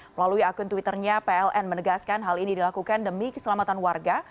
melalui akun twitternya pln menegaskan hal ini dilakukan demi keselamatan warga